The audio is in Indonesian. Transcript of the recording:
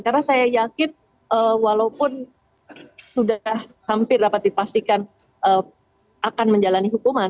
karena saya yakin walaupun sudah hampir dapat dipastikan akan menjalani hukuman